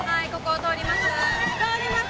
通ります。